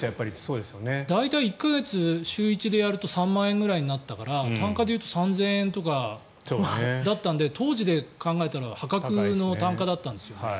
大体１か月、週１でやると３万円くらいになったから単価でいうと３０００円とかだったので当時で考えたら破格の単価だったんですよ。